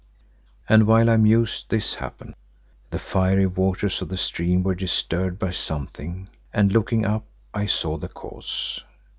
And while I mused this happened. The fiery waters of the stream were disturbed by something and looking up I saw the cause.